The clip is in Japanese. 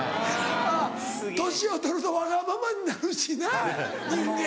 あぁ年を取るとわがままになるしな人間。